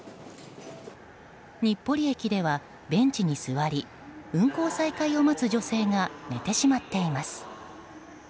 日暮里駅ではベンチに座り運行再開を待つ女性が寝てしまっています。